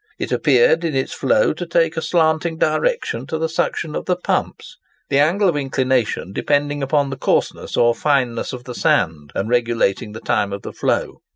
It appeared in its flow to take a slanting direction to the suction of the pumps, the angle of inclination depending upon the coarseness or fineness of the sand, and regulating the time of the flow.